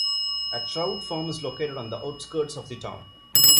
A trout farm is located on the outskirts of the town.